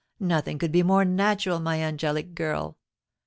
Nothing could be more natural, my angelic girl.